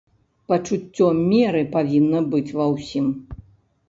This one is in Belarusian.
Пачуццё меры павінна быць ва ўсім.